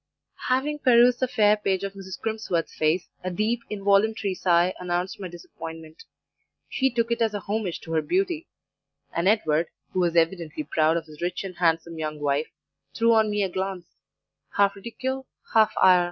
"Having perused the fair page of Mrs. Crimsworth's face, a deep, involuntary sigh announced my disappointment; she took it as a homage to her beauty, and Edward, who was evidently proud of his rich and handsome young wife, threw on me a glance half ridicule, half ire.